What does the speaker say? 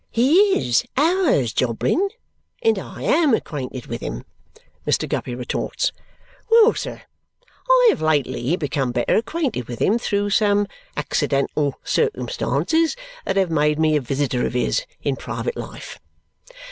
"He IS ours, Jobling, and I AM acquainted with him," Mr. Guppy retorts. "Well, sir! I have lately become better acquainted with him through some accidental circumstances that have made me a visitor of his in private life.